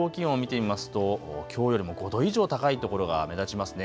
最高気温を見てみますと、きょうよりも５度以上高い所が目立ちますね。